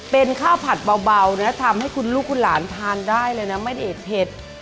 เป็นข้าวผัดเบานะทำให้คุณลูกคุณหลานทานได้เลยนะไม่ได้เผ็ด